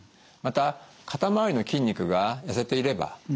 また肩周りの筋肉が痩せていれば。